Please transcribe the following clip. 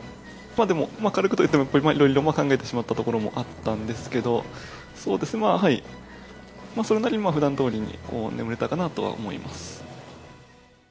でも、軽くと言っても、やっぱりいろいろ考えてしまったところもあったんですけど、それなりにふだんどおりに眠れたかなとは思います。